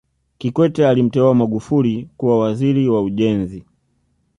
kikwete alimteua magufuli kuwa waziri wa ujenzi